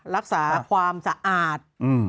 รักษาความสะอาด